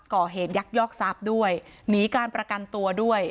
ก่อเหตุยักษ์ยอกซับด้วยหนีการประกันตัวด้วย